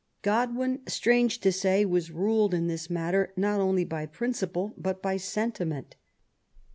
Godwin, strange to say, was ruled in this matter not only by principle, but by sentiment.